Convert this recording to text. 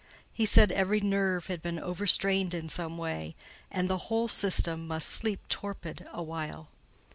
He said every nerve had been overstrained in some way, and the whole system must sleep torpid a while.